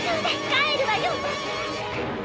帰るわよ！